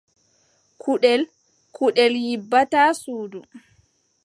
Kuɗel kuɗel nyiɓata suudu.